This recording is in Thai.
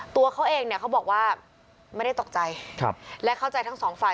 ตัวเขาเองเนี่ยเขาบอกว่าไม่ได้ตกใจและเข้าใจทั้งสองฝ่าย